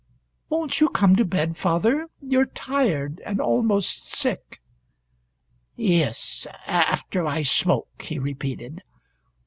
"Won't you come to bed, father? You're tired and almost sick." "Yes after I smoke," he repeated.